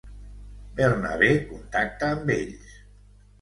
Bernabé contacta amb ells.